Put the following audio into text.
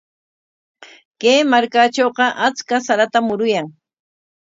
Kay markatrawqa achka saratam muruyan.